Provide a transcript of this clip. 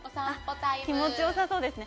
気持ちよさそうですね。